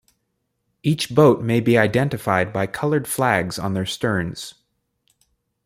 Each boat may be identified by colored flags on their sterns.